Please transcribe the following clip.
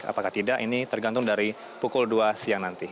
apakah tidak ini tergantung dari pukul dua siang nanti